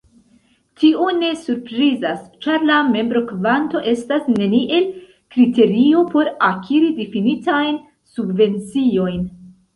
Tio ne surprizas ĉar la membrokvanto estas neniel kriterio por akiri difinitajn subvenciojn.